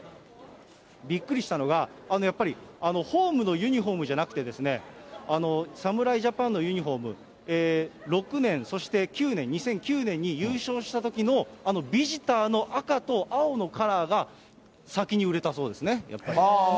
びっくりしたのが、やっぱりホームのユニホームじゃなくて、侍ジャパンのユニホーム、６年、そして９年、２００９年に優勝したときのあのビジターの赤と青のカラーが先に売れたそうですね、やっぱり。